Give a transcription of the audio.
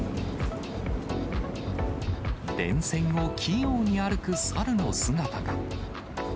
電線を器用に歩く猿の姿が。